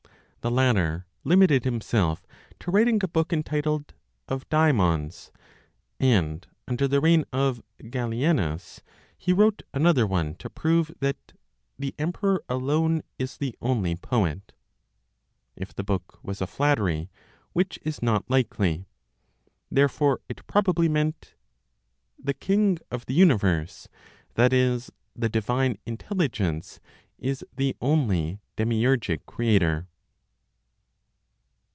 The latter limited himself to writing a book entitled, "Of Daemons;" and, under the reign of Gallienus, he wrote another one to prove that "The Emperor alone is the Only Poet" (if the book was a flattery; which is not likely. Therefore it probably meant: "The King (of the universe, that is, the divine Intelligence), is the only 'demiurgic' Creator.")